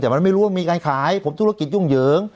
แต่มันไม่รู้ว่ามีการขายผมธุรกิจยุ่งเหยิง